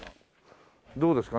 どうですか？